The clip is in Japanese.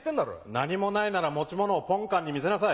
何もないなら持ち物をポンカンに見せなさい。